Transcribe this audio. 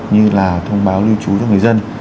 như là thông báo lưu trú cho người dân